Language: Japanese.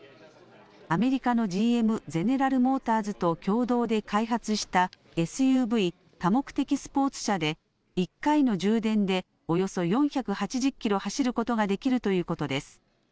アメリカのＧＭ・ゼネラル・モーターズと共同で開発したＳＵＶ・多目的スポーツ車で１回の充電でおよそ４８０キロ走ることができるということです。